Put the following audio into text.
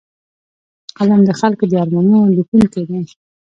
قلم د خلکو د ارمانونو لیکونکی دی